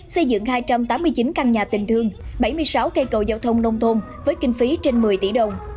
xây dựng hai trăm tám mươi chín căn nhà tình thương bảy mươi sáu cây cầu giao thông nông thôn với kinh phí trên một mươi tỷ đồng